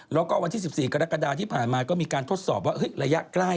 แล้วก็วันที่๑๔กรกฎาที่ผ่านมาก็มีการทดสอบว่าระยะใกล้